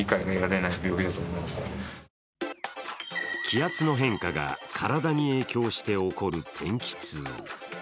気圧の変化が体に影響して起こる天気痛。